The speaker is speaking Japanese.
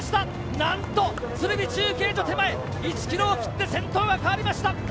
なんと、鶴見中継所手前１キロを切って先頭がかわりました。